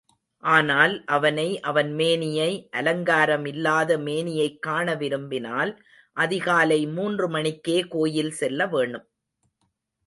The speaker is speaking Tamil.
ஆனால் அவனை, அவன் மேனியை, அலங்காரமில்லாத மேனியைக் காண விரும்பினால், அதிகாலை மூன்று மணிக்கே கோயில் செல்ல வேணும்.